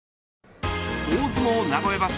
大相撲名古屋場所